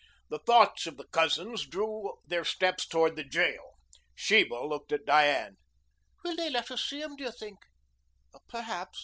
The thoughts of the cousins drew their steps toward the jail. Sheba looked at Diane. "Will they let us see him, do you think?" "Perhaps.